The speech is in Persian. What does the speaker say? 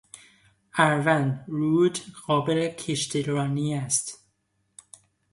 اروند رود قابل کشتیرانی است.